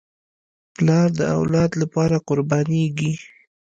پلار د اولاد لپاره قربانېږي.